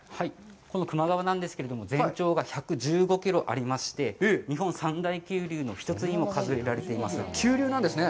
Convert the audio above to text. この球磨川なんですけれども全長が１１５キロありまして、日本三大急流の１つにも急流なんですね。